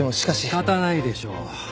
仕方ないでしょう。